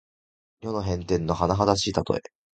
世の変転のはなはだしいたとえ。